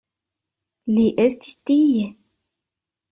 Li estis tie!